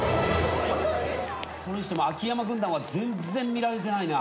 それにしても秋山軍団は全然見られてないな。